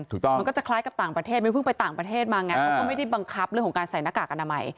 มันก็จะคล้ายกับต่างประเทศไม่เพิ่งไปต่างประเทศมาไงเขาก็ไม่ได้บังคับเรื่องของการใส่หน้ากากอนามัย